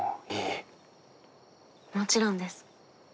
もちろんです。